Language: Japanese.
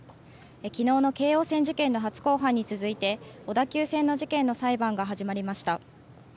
きのうの京王線事件の初公判に続いて、小田急線の事件の裁判が始まりました。